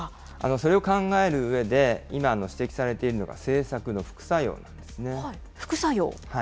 それを考えるうえで、今、指摘されているのが政策の副作用な副作用？